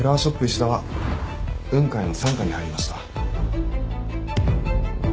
石田は雲海の傘下に入りました。